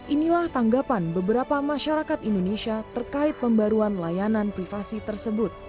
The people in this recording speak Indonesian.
inilah tanggapan beberapa masyarakat indonesia terkait pembaruan layanan privasi tersebut